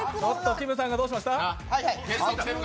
きむさんがどうしました？